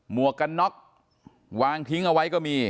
วกกันน็อกวางทิ้งเอาไว้ก็มี